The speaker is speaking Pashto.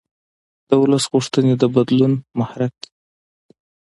د ولس غوښتنې د بدلون محرک دي